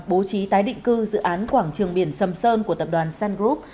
bố trí tái định cư dự án quảng trường biển sầm sơn của tập đoàn sun group